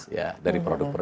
ya dari produk produk